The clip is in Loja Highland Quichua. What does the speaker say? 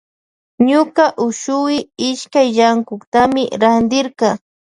Ñuka ushuhi iskay llantuktami rantirka.